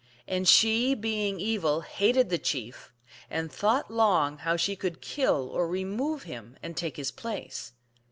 And she, being evil, hated the chief, and thought long how she could kill or re move him, and take his place.